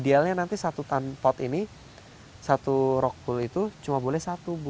idealnya nanti satu tan pot ini satu rock bull itu cuma boleh satu bu